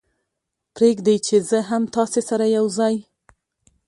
پرېږدئ چې زه هم تاسې سره یو ځای.